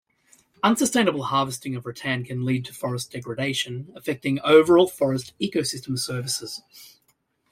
Unsustainable harvesting of rattan can lead to forest degradation, affecting overall forest ecosystem services.